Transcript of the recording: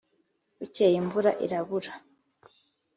bukeye imvura irabura,